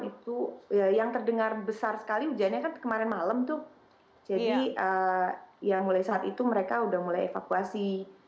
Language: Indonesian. itu yang terdengar besar sekali hujannya kan kemarin malam tuh jadi yang mulai saat itu mereka udah mulai evakuasi